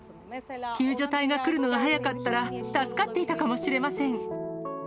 救助隊が来るのが早かったら、助かっていたかもしれません。